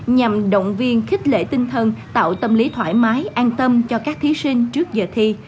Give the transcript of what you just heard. nhằm động viên khích lệ tinh thần tạo tâm lý thoải mái an tâm cho các thí sinh trước giờ thi